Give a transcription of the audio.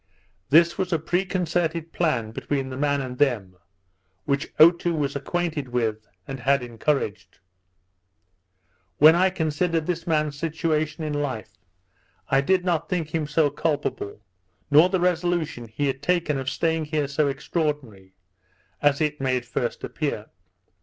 This was a pre concerted plan between the man and them, which Otoo was acquainted with, and had encouraged. When I considered this man's situation in life, I did not think him so culpable, nor the resolution he had taken of staying here so extraordinary, as it may at first appear.